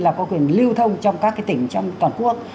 là có quyền lưu thông trong các tỉnh trong toàn quốc